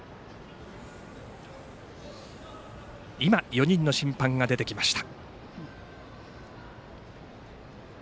４人の審判が出てきました。